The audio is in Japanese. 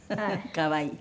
可愛い。